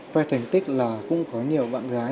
quay thành tích là cũng có nhiều bạn gái